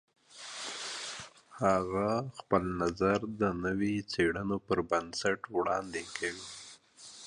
هغه خپل نظر د نوو څېړنو پر بنسټ وړاندې کوي.